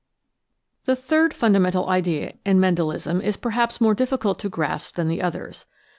S 7 The third fundamental idea in Mendelism is perhaps more difficult to grasp than the others.